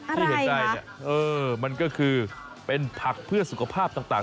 ที่เห็นใจเนี่ยมันก็คือเป็นผักเพื่อสุขภาพต่าง